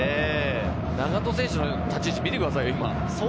永戸選手の立ち位置、見てください。